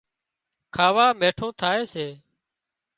کاوا مينٺون ٿائي سي